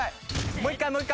もう一回もう一回！